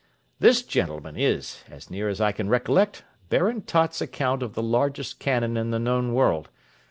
This, gentlemen, is, as near as I can recollect, Baron Tott's account of the largest cannon in the known world.